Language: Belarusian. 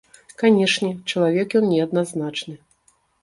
Канечне, чалавек ён неадназначны.